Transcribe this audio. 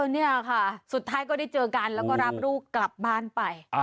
นี่ค่ะสุดท้ายก็ได้เจอกันแล้วก็รับลูกกลับบ้านไป